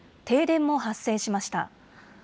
停電も発生しました。